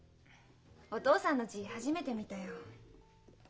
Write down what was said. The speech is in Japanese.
お父さんの字初めて見たよ。